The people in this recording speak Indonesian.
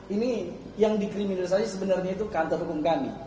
ini yang dikriminalisasi sebenarnya itu kantor hukum kami